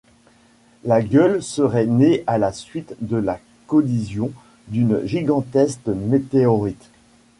La Gueule serait née à la suite de la collision d'une gigantesque météorite.